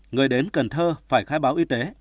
người đến cần thơ phải khai báo y tế